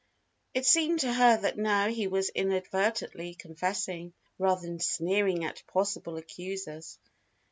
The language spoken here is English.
It seemed to her that now he was inadvertently confessing, rather than sneering at possible accusers.